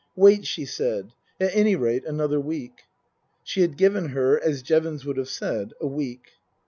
" Wait," she said, " at any rate, another week." She had given her, as Jevons would have said, a week.